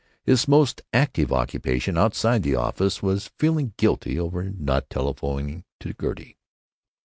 His most active occupation outside the office was feeling guilty over not telephoning to Gertie.